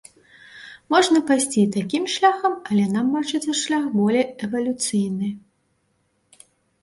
Можна пайсці і такім шляхам, але нам бачыцца шлях болей эвалюцыйны.